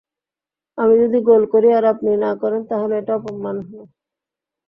আমি যদি গোল করি আর আপনি না করেন তাহলে এটা অপমান হবে।